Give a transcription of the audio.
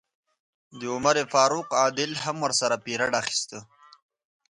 د عمر فاروق عادل هم ورسره پیرډ اخیسته.